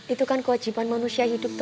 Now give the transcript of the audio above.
itu kan kewajiban manusia hidup